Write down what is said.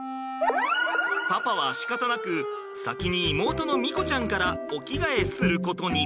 パパはしかたなく先に妹の美瑚ちゃんからお着替えすることに。